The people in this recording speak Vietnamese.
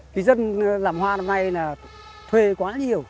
thì dân làm hoa năm nay là thuê quá nhiều